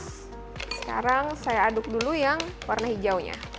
sekarang saya aduk dulu yang warna hijaunya